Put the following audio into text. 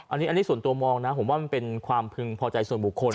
อันนี้ส่วนตัวมองนะผมว่ามันเป็นความพึงพอใจส่วนบุคคล